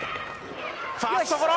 ファーストゴロ。